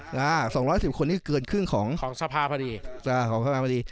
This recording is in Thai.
๒๕๐คนนี่คือเกินครึ่งของสภาพพอดี